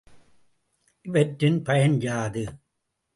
இவற்றின் பயன் யாது?